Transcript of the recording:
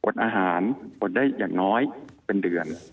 อาหารอดได้อย่างน้อยเป็นเดือน